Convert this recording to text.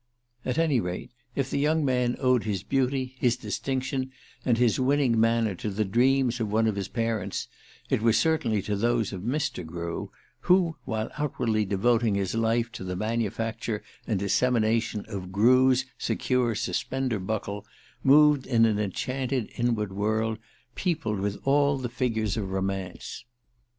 At any rate, if the young man owed his beauty, his distinction and his winning manner to the dreams of one of his parents, it was certainly to those of Mr. Grew, who, while outwardly devoting his life to the manufacture and dissemination of Grew's Secure Suspender Buckle, moved in an enchanted inward world peopled with all the figures of romance.